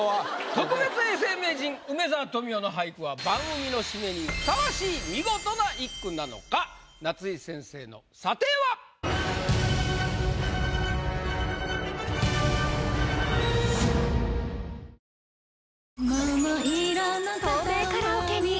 特別永世名人梅沢富美男の俳句は番組の締めにふさわしい見事な一句なのか⁉夏井先生の査定は⁉納期は２週間後あぁ！！